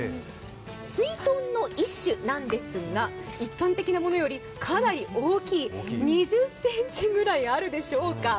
すいとんの一種なんですが、一般的なものよりかなり大きい、２０センチぐらいあるでしょうか。